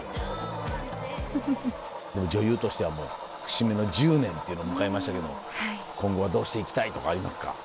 でも女優としては節目の１０年っていうの迎えましたけど今後はどうしていきたいとかありますか？